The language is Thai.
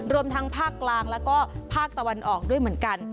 รวมทั้งภาคกลางแล้วก็ภาคตะวันออกด้วยเหมือนกัน